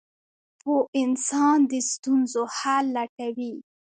• پوه انسان د ستونزو حل لټوي.